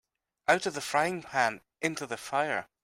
Out of the frying-pan into the fire.